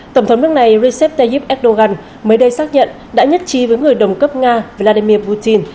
tổng thống nước này recep tayyip erdogan mới đây xác nhận đã nhất trí với người đồng cấp nga vladimir putin